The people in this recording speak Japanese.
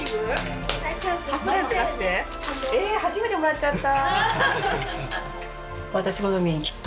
初めてもらっちゃった！